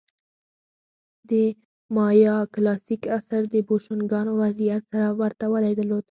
د مایا کلاسیک عصر د بوشونګانو وضعیت سره ورته والی درلود.